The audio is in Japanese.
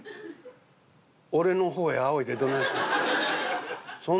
俺の方へあおいでどないすんのや？